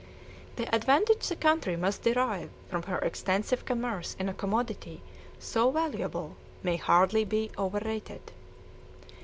The advantage the country must derive from her extensive commerce in a commodity so valuable may hardly be overrated.